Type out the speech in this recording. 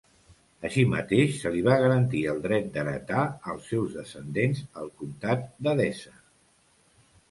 Així mateix, se li va garantir el dret d'heretar als seus descendents el Comtat d'Edessa.